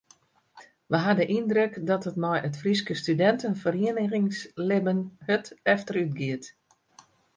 Wy ha de yndruk dat it mei it Fryske studinteferieningslibben hurd efterútgiet.